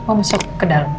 mau masuk ke dalam